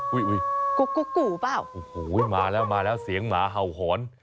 อุ๊ยเปล่าโอ้โหมาแล้วเสียงหมาเห่าหอน